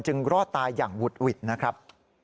รอดตายอย่างหุดหวิดนะครับ